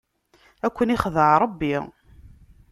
Ad ken-ixdeɛ Ṛebbi.